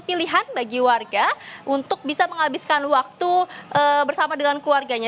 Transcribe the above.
pilihan bagi warga untuk bisa menghabiskan waktu bersama dengan keluarganya